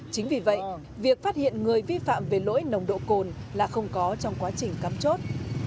chính vì vậy việc phát hiện người vi phạm về lỗi nồng độ cồn là không có trong quá trình cắm chốt